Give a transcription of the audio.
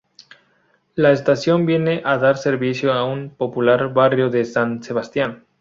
La estación viene a dar servicio a un popular barrio de San Sebastián.